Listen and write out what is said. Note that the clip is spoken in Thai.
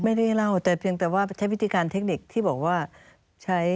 ไม่ได้เล่าแต่เพียงแต่ว่าใช้วิธีการเทคนิคที่บอกว่าใช้